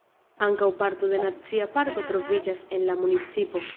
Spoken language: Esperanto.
Ankaŭ parto de nacia parko troviĝas en la municipo.